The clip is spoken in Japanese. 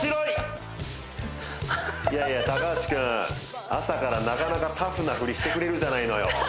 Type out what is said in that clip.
いやいや高橋くん朝からなかなかタフなフリしてくれるじゃないのよ